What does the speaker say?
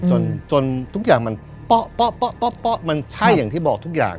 จนทุกอย่างมันเป๊ะมันใช่อย่างที่บอกทุกอย่าง